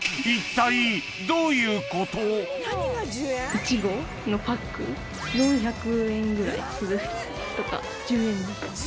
いちごのパック４００円ぐらいするやつとか１０円です。